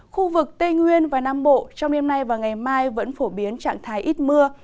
khu vực tây nguyên và nam bộ trong đêm nay và ngày mai vẫn phổ biến trạng thái ít mưa